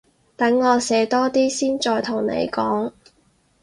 等我寫多啲先再同你講